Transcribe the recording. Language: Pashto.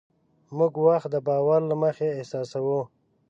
موږ وخت د باور له مخې احساسوو.